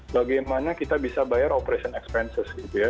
bagaimana kita bisa bayar operation expenses gitu ya